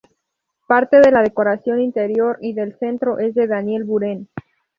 Parte de la decoración interior y del centro es de Daniel Buren.